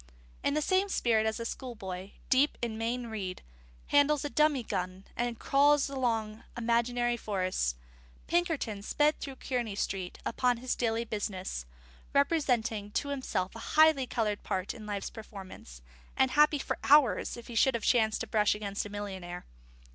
In the same spirit as a schoolboy, deep in Mayne Reid, handles a dummy gun and crawls among imaginary forests, Pinkerton sped through Kearney Street upon his daily business, representing to himself a highly coloured part in life's performance, and happy for hours if he should have chanced to brush against a millionnaire.